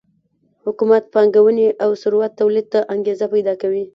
حکومت پانګونې او ثروت تولید ته انګېزه پیدا کوي